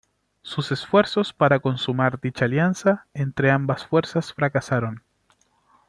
Sus esfuerzos para consumar dicha alianza entre ambas fuerzas fracasaron.